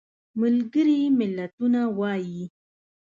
ملګري ملتونه وایي.